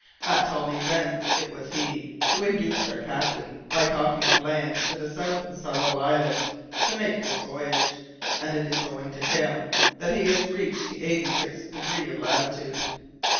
At all events it was he who induced our captain, by talking of land to the south of Tsalal Island, to make this voyage, and it is owing to him that he has reached the eighty sixth degree of latitude."